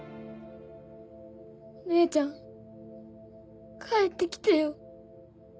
お姉ちゃん帰ってきてよ。